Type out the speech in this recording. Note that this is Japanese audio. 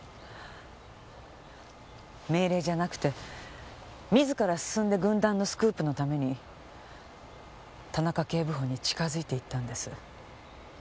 命令じゃなくて自ら進んで軍団のスクープのために田中警部補に近付いていったんです。